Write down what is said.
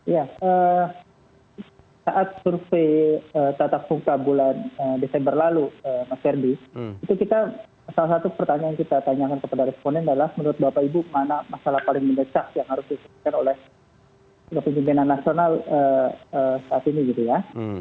ya saat survei tatap muka bulan desember lalu mas ferdi itu kita salah satu pertanyaan yang kita tanyakan kepada responden adalah menurut bapak ibu mana masalah paling mendesak yang harus disampaikan oleh kepemimpinan nasional saat ini gitu ya